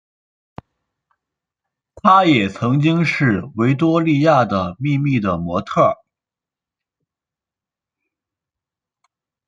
她也曾经是维多利亚的秘密的模特儿。